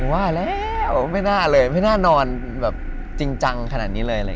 ว่าแล้วไม่น่าเลยไม่น่านอนแบบจริงจังขนาดนี้เลย